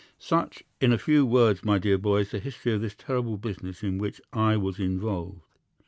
"'Such, in a few words, my dear boy, is the history of this terrible business in which I was involved.